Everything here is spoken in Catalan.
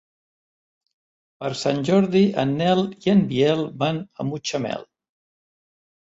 Per Sant Jordi en Nel i en Biel van a Mutxamel.